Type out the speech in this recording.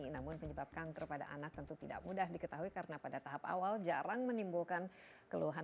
namun penyebab kanker pada anak tentu tidak mudah diketahui karena pada tahap awal jarang menimbulkan keluhan